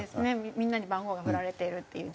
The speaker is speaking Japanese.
みんなに番号が振られているっていう状況。